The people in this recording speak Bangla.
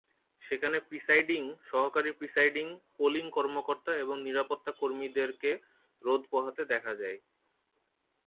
সেখানে প্রিসাইডিং, সহকারী প্রিসাইডিং, পোলিং কর্মকর্তা এবং নিরাপত্তাকর্মীদেরকে রোদ পোহাতে দেখা যায়।